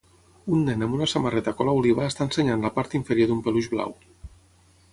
Un nen amb una samarreta color oliva està ensenyant la part inferior d'un peluix blau.